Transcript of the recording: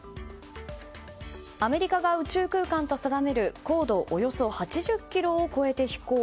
アメリカが宇宙空間と定める高度およそ８０ｋｍを超えて飛行。